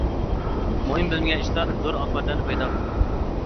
مۇھىم بىلمىگەن ئىشلار زور ئاقىۋەتلەرنى پەيدا قىلىدۇ.